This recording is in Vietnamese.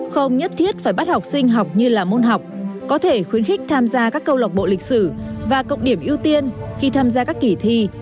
không nhất thiết phải bắt học sinh học như là môn học có thể khuyến khích tham gia các câu lọc bộ lịch sử và cộng điểm ưu tiên khi tham gia các kỳ thi